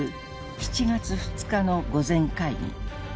７月２日の御前会議。